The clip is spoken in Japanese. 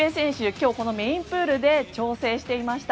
今日、メインプールで調整していました。